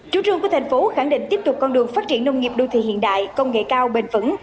chủ trương của thành phố khẳng định tiếp tục con đường phát triển nông nghiệp đô thị hiện đại công nghệ cao bền vững